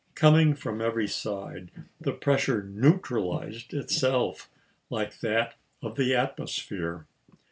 Coming from every side the pressure neutralized itself, like that of the atmosphere.